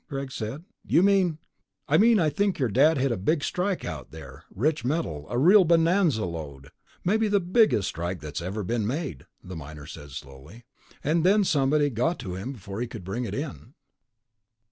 Greg said. "You mean...." "I mean I think your dad hit a Big Strike out there, rich metal, a real bonanza lode. Maybe the biggest strike that's ever been made," the miner said slowly. "And then somebody got to him before he could bring it in."